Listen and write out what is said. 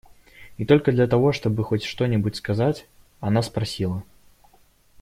И только для того, чтобы хоть что-нибудь сказать, она спросила: